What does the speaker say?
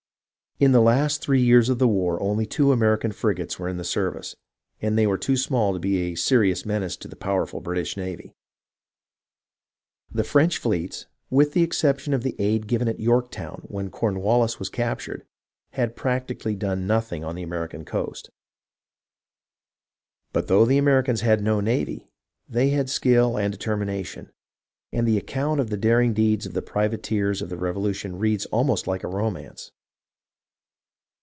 In the last three years of the war only two American frigates were in the service, and they were too small to be a serious menace to the powerful British navy. The French fleets, with the exception of the aid given at York town when Cornwallis was captured, had practically done nothing on the American coast. But though the Americans had no navy, they had skill and determination ; and the account of the daring deeds of the privateers of the Revolution reads almost like a romance.